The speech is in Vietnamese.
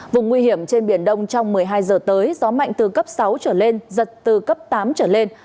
vùng nguy hiểm trên biển đông trong một mươi hai giờ tới gió mạnh từ cấp sáu trở lên giật từ cấp tám trở lên